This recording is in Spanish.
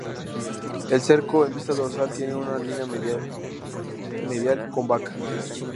El cerco, en vista dorsal, tienen una línea medial cóncava.